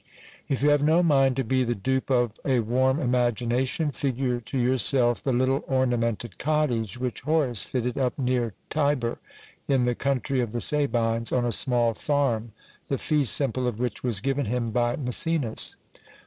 If you have no mind to be the dupe of a warm imagination, figure to your self the little ornamented cottage which Horace fitted up near Tibur in the country of the Sabines, on a small farm, the fee simple of which was given him by Maecenas.